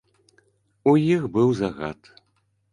У іх быў загад.